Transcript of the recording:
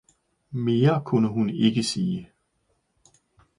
– mere kunne hun ikke sige.